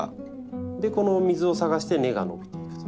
でこの水を探して根が伸びていくと。